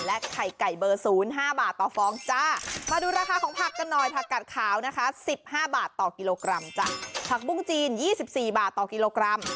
เนื้อแดงวัว๒๔๐บาทต่อกิโลกรัม